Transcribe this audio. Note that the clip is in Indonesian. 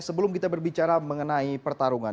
sebelum kita berbicara mengenai pertarungan